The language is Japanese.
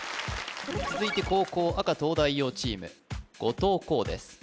続いて後攻赤東大王チーム後藤弘です